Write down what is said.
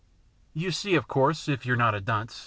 You see, of course, if you're not a dunce.